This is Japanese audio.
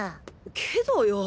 けどよ。